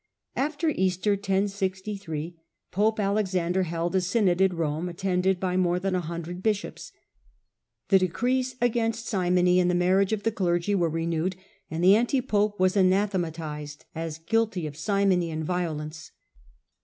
After Easter (1063), pope Alexander held a synod in Eome attended by more than a hundred bishops. Position of The decrees against simony and the marriage popes of the clergy were renewed, and the anti pope was anathematised, as guilty of simony and violence.